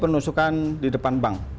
penusukan di depan bank